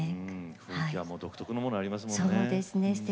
雰囲気が独特のものがありますものね。